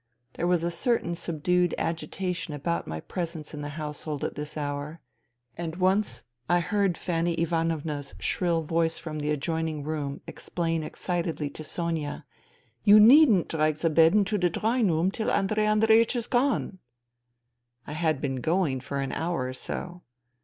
There was a certain subdued agitation about my presence in the household at this hour, and once I heard Fanny Ivanovna's shrill voice from the adjoining room explain excitedly to Sonia :" You needn't drag the bed into the drawing room till Andrei Andreiech is gone." I had been going for an hour or so.